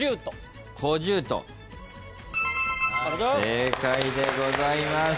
正解でございます。